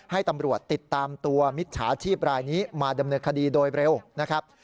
ให้ตำรวจติดตามตัวมิจฉาชีพรายนี้มาดำเนินคดีโดยเร็วนะครับ